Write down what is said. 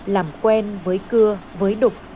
làm quen với cưa với đục